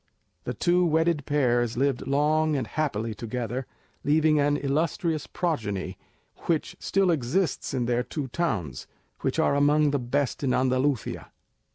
The two wedded pairs lived long and happily together, leaving an illustrious progeny which still exists in their two towns, which are among the best in Andalusia.